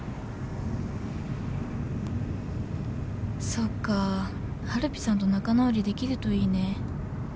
「そっかーはるぴさんと仲直りできると良いね。